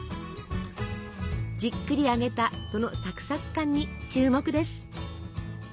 じっくり揚げたそのサクサク感に注目です。